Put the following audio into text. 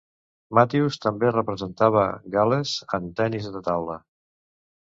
Matthews també representava Gal·les en tennis de taula.